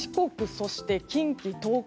そして近畿・東海